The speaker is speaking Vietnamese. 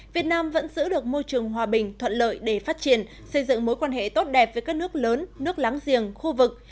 việt nam vẫn giữ được môi trường hòa bình thuận lợi để phát triển xây dựng mối quan hệ tốt đẹp với các nước lớn nước láng giềng khu vực